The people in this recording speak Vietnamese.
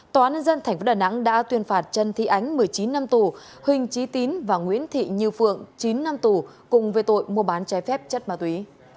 tòa án nhân dân tp đà nẵng đã tuyên phạt trân thị ánh một mươi chín năm tù huỳnh trí tín và nguyễn thị nhiêu phượng chín năm tù cùng với tội mua bán chai phép chất ma túy